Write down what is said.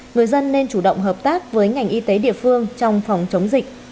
người dân nên chủ động hợp tác với ngành y tế địa phương trong phòng chống dịch